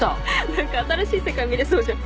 何か新しい世界見れそうじゃん。